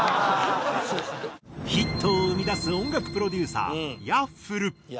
ヒットを生み出す音楽プロデューサーＹａｆｆｌｅ。